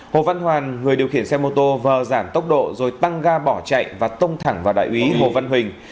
hồ văn hoàn người điều khiển xe mô tô vờ giảm tốc độ rồi tăng ga bỏ chạy và tông thẳng vào đại úy hồ văn huỳnh